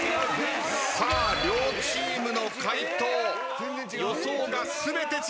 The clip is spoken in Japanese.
両チームの解答予想が全て違います。